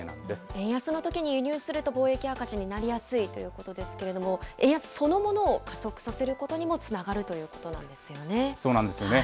円安のときに輸入すると貿易赤字になりやすいということですけれども、円安そのものを加速させることにもつながるということそうなんですよね。